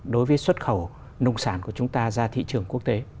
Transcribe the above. đối với xuất khẩu nông sản của chúng ta ra thị trường quốc tế